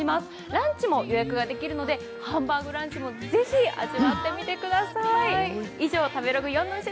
ランチも予約ができるのでハンバーグランチもぜひ味わってみてください。